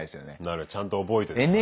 だからちゃんと覚えてるそれは。